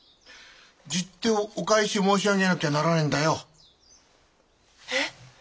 十手をお返し申し上げなきゃならねえんだよ。え？